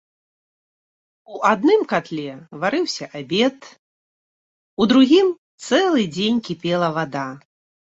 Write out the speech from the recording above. У адным катле варыўся абед, у другім цэлы дзень кіпела вада.